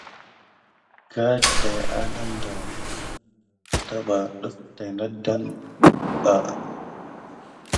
Kraà tät anadan keto ɓa hokorho de defta.